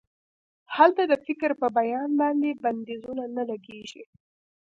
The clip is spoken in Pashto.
هلته د فکر په بیان باندې بندیزونه نه لګیږي.